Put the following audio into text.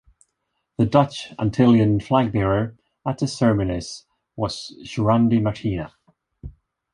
The Dutch Antillean flagbearer at the ceremonies was Churandy Martina.